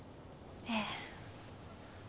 ええ。